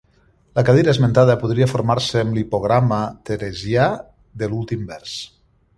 La cadira esmentada podria formar-se amb l'hipograma teresià de l'últim vers.